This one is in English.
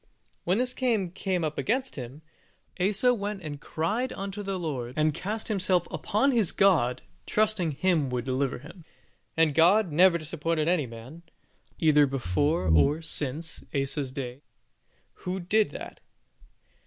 When this king came up against him, Asa went and cried unto the Lord, and cast himself upon his God, trusting Him to deliver him, and God never disappointed any man, either before or since Asa's day, who did that.